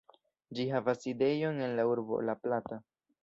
Ĝi havas sidejon en la urbo La Plata.